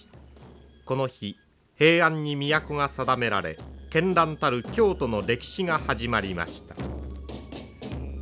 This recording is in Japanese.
この日平安に都が定められけんらんたる京都の歴史が始まりました。